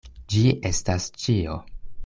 Ĝi estas ĉio.